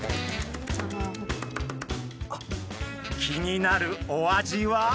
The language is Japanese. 気になるお味は。